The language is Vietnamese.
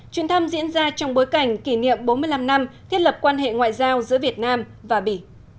chuyến thăm diễn ra trong bối cảnh kỷ niệm bốn mươi năm năm thiết lập quan hệ ngoại giao giữa việt nam và bỉ